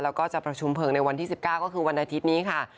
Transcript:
แล้วก็จะประชุมเพลิงในวันที่๑๙ก็คือวันอาทิตย์นี้ค่ะ